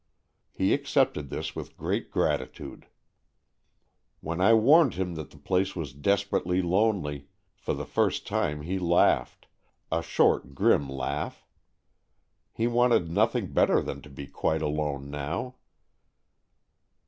He accepted this with great gratitude. .When I warned him that the place was desperately lonely, for the first time he laughed — a short grim laugh. He wanted nothing better than to AN EXCHANGE OF SOULS 187 be quite alone now.